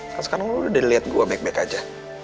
kan sekarang lu udah liat gue back back aja